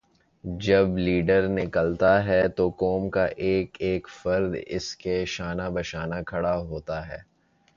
جب لیڈر نکلتا ہے تو قوم کا ایک ایک فرد اسکے شانہ بشانہ کھڑا ہوتا ہے۔